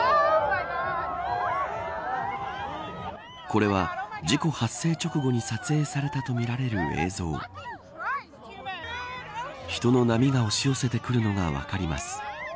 これは事故発生直後に撮影されたとみられる映像人の波が押し寄せてくるのが分かります。